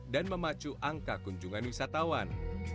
dan memacu angka kunjungan wisatawan